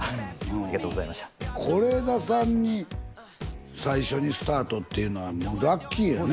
ありがとうございました是枝さんに最初にスタートっていうのはラッキーやね